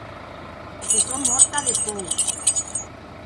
Que sò mòrta de pòur!